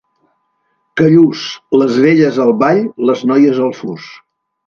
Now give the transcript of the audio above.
Callús, les velles al ball, les noies al fus.